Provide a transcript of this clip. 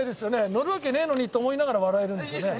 「乗るわけねえのに」と思いながら笑えるんですよね。